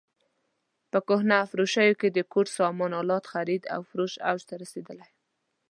په کهنه فروشیو کې د کور سامان الاتو خرید او فروش اوج ته رسېدلی.